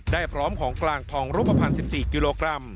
พร้อมของกลางทองรูปภัณฑ์๑๔กิโลกรัม